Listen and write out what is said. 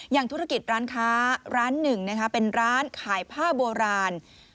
ธุรกิจร้านค้าร้านหนึ่งนะคะเป็นร้านขายผ้าโบราณ